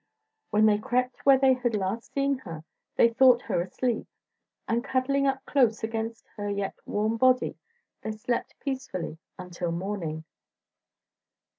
When they crept where they had last seen her, they thought her asleep; and cuddling up close against her yet warm body they slept peacefully until morning.